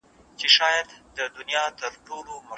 معلومات باید دقت سره جوت سي.